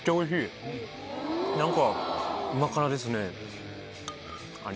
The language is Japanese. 何かうま辛ですね。